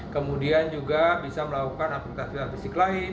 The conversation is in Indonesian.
kemudian juga bisa melakukan aktivitas fisik lain